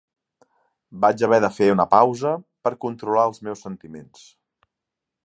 Vaig haver de fer una pausa per controlar els meus sentiments.